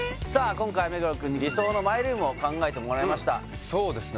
今回目黒くんに理想のマイルームを考えてもらいましたそうですね